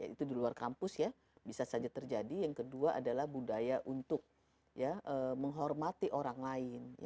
itu di luar kampus ya bisa saja terjadi yang kedua adalah budaya untuk menghormati orang lain